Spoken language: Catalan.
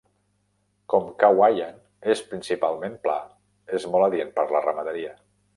Com Cawayan és principalment pla, és molt adient per la ramaderia.